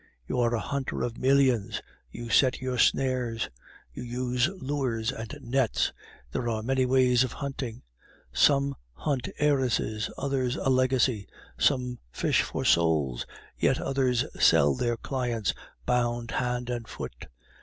You are a hunter of millions; you set your snares; you use lures and nets; there are many ways of hunting. Some hunt heiresses, others a legacy; some fish for souls, yet others sell their clients, bound hand and foot.